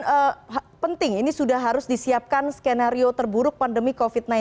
dan penting ini sudah harus disiapkan skenario terburuk pandemi covid sembilan belas